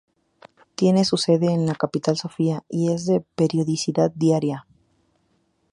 Tiene su sede en la capital Sofía y es de periodicidad diaria.